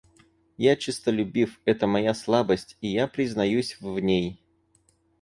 Я честолюбив, это моя слабость, и я признаюсь в ней.